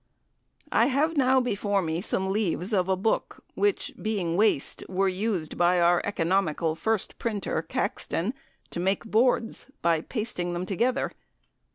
I have now before me some leaves of a book, which, being waste, were used by our economical first printer, Caxton, to make boards, by pasting them together.